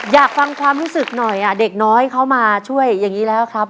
อยากฟังความรู้สึกหน่อยเด็กน้อยเขามาช่วยอย่างนี้แล้วครับ